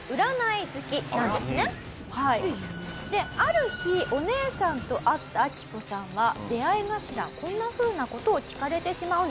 ある日お姉さんと会ったアキコさんは出合い頭こんなふうな事を聞かれてしまうんです。